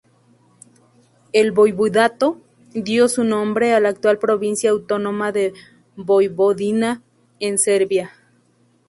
El Voivodato dio su nombre a la actual Provincia Autónoma de Voivodina en Serbia.